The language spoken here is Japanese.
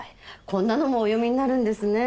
こんなのもお読みになるんですね。